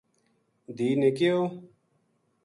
دھی نے کہیو